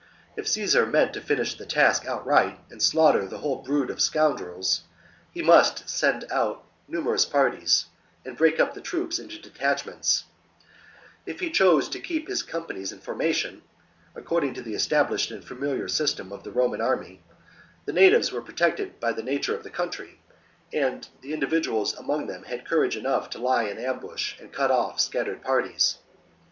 If Caesar meant to finish his task outright and slaughter the whole brood of scoundrels, he must send out numerous parties and break up the troops into detachments ; if he chose to keep his companies in formation, according to the established and familiar system of the Roman army, the natives were protected by the nature of the country, and individuals among them had courage enough to lie in ambush and cut off scattered parties.